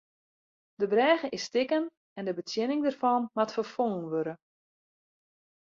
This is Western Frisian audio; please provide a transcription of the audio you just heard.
De brêge is stikken en de betsjinning dêrfan moat ferfongen wurde.